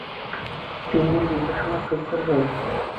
তিন্নি দীর্ঘ সময় চুপ করে রইল।